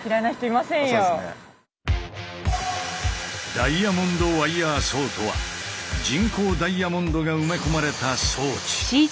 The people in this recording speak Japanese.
ダイヤモンドワイヤーソーとは人工ダイヤモンドが埋め込まれた装置。